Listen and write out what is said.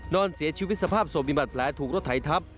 นอนเสียชีวิตสภาพศพมีบาดแผลถูกรถไถทับ